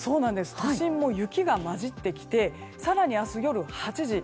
都心も雪が交じってきて更に明日、夜８時